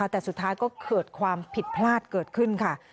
แต่สุดท้ายก็เกิดความผิดพลาดเกิดขึ้นค่ะ